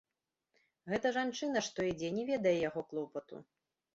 Гэта жанчына, што ідзе, не ведае яго клопату.